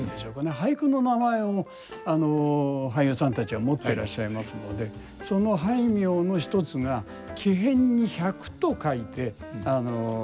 俳句の名前を俳優さんたちは持ってらっしゃいますのでその俳名の一つが木偏に百と書いて栢。